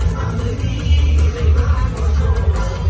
มันเป็นเมื่อไหร่แล้ว